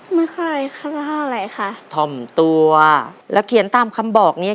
ไม่ค่อยภาษาอะไรค่ะธอมตัวแล้วเขียนตามคำบอกเนี่ย